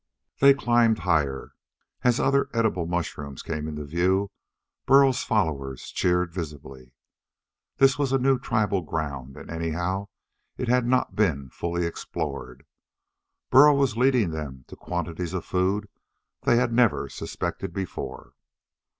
They climbed higher. As other edible mushrooms came into view Burl's followers cheered visibly. This was a new tribal ground anyhow and it had not been fully explored. But Burl was leading them to quantities of food they had never suspected before.